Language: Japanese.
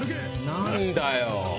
何だよ？